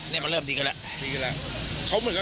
นี่มันเริ่มดีกว่าแล้ว